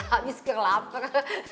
habis keren lapar